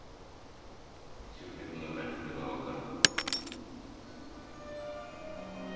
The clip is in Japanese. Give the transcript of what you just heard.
秀平君が帰ってくれば分かる。